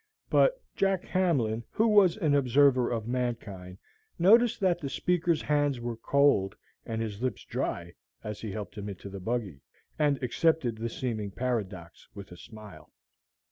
But Jack Hamlin, who was an observer of mankind, noticed that the speaker's hands were cold, and his lips dry, as he helped him into the buggy, and accepted the seeming paradox with a smile.